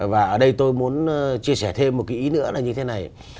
và ở đây tôi muốn chia sẻ thêm một cái ý nữa là như thế này